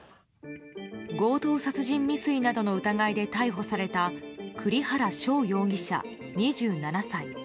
強盗殺人未遂などの疑いで逮捕された栗原翔容疑者、２７歳。